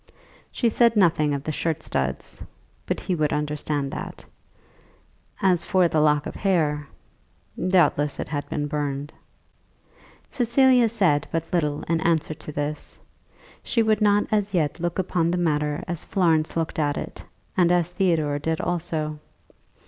She said nothing of the shirt studs, but he would understand that. As for the lock of hair, doubtless it had been burned. Cecilia said but little in answer to this. She would not as yet look upon the matter as Florence looked at it, and as Theodore did also.